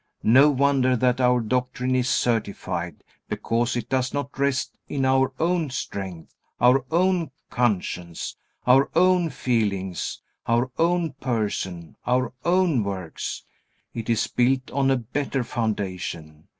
No wonder that our doctrine is certified, because it does not rest in our own strength, our own conscience, our own feelings, our own person, our own works. It is built on a better foundation.